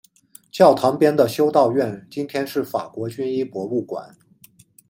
教堂边的修道院今天是法国军医博物馆。